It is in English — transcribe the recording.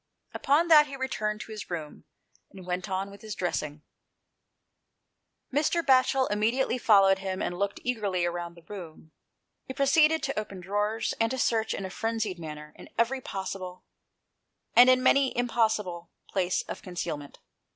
Upon that he returned to his room, and went on with his dressing. 171 GHOST TAIiES. Mr. Batchel immediately followed him, and looked eagerly round the room. He proceeded to open drawers, and to search, in a frenzied manner, in every possible, and in many an impossible, place of concealment.